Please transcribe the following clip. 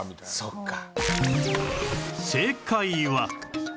そっか。